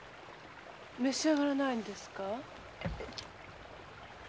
召し上がらないんですか？